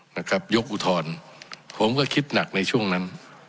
นะครับยกอุทธรณ์ผมก็คิดหนักในช่วงนั้น